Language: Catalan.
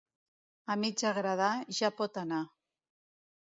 A mig agradar, ja pot anar.